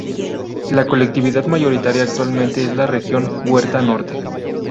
La colectividad mayoritaria actualmente es la de la Región Huetar Norte.